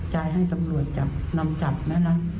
ยายให้ตำรวจจับนำจับไหมล่ะอืม